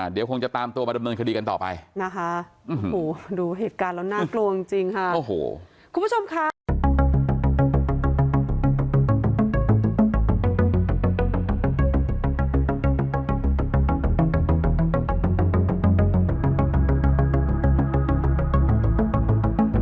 เดี๋ยวคงจะตามตัวมาดำเนินคดีกันต่อไปนะคะดูเหตุการณ์แล้วน่ากลัวจริงค่ะ